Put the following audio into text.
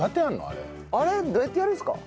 あれどうやってやるんですか？